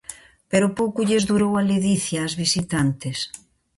Pero pouco lles durou a ledicia ás visitantes.